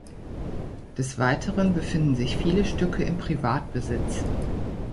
Des Weiteren befinden sich viele Stücke in Privatbesitz.